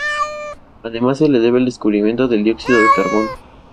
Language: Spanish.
Además se le debe el descubrimiento del dióxido de carbono.